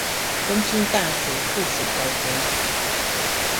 中興大學附屬高中